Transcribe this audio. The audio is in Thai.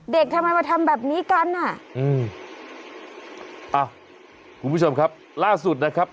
ทำไมมาทำแบบนี้กันอ่ะอืมอ้าวคุณผู้ชมครับล่าสุดนะครับ